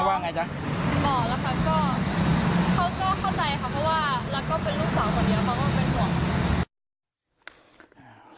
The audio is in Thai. แล้วก็เป็นลูกสาวเกินเยอะมากว่าเป็นห่วง